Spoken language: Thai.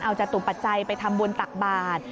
เอาจตุปัจจัยไปทำบุญตักบาท